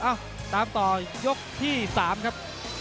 เอ้าตามต่อยกที่สามครับ